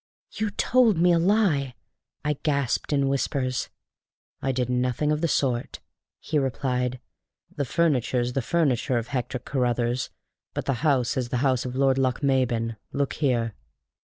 "You told me a lie!" I gasped in whispers. "I did nothing of the sort," he replied. "The furniture's the furniture of Hector Carruthers; but the house is the house of Lord Lochmaben. Look here!"